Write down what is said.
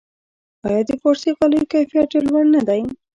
آیا د فارسي غالیو کیفیت ډیر لوړ نه دی؟